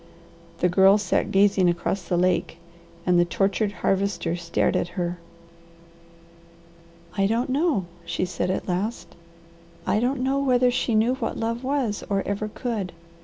The Girl sat gazing across the lake and the tortured Harvester stared at her. "I don't know," she said at last. "I don't know whether she knew what love was or ever could.